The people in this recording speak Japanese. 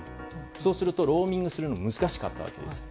そうすると、ローミングするのが難しかったんです。